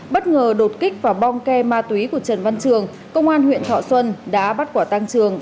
bất ngờ đột kích vào bong ke ma túy của trần văn trường công an huyện thọ xuân đã bắt quả tăng trường